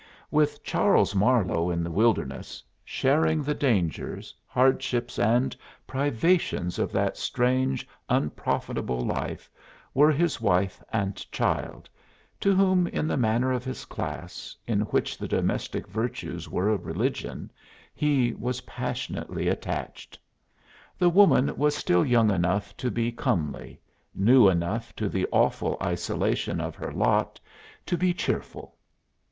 With Charles Marlowe in the wilderness, sharing the dangers, hardships and privations of that strange, unprofitable life, were his wife and child, to whom, in the manner of his class, in which the domestic virtues were a religion, he was passionately attached. The woman was still young enough to be comely, new enough to the awful isolation of her lot to be cheerful.